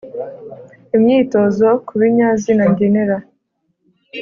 imyitozo ku binyazina ngenera